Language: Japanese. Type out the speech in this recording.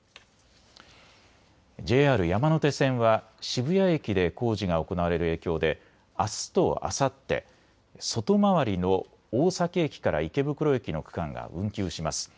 ＪＲ山手線は渋谷駅で工事が行われる影響であすとあさって、外回りの大崎駅から池袋駅の区間が運休します。